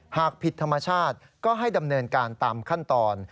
หากผิดธรรมชาติก็ให้ดำเนินการตามขั้นตอน